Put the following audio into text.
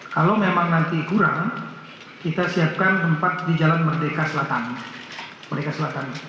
kalau memang nanti kurang kita siapkan tempat di jalan merdeka selatan